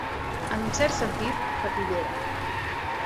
En un cert sentit, fetillera.